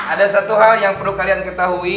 ada satu hal yang perlu kalian ketahui